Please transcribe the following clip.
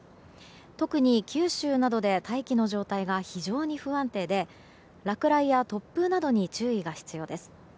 特に九州などで大気の状態が非常に不安定で落雷や突風などに注意が必要です。